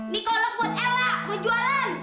nikolet buat ella gue jualan